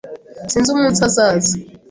Sinzi umunsi azaza.